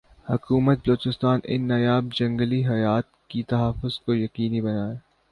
حکومت بلوچستان ان نایاب جنگلی حیات کی تحفظ کو یقینی بنائے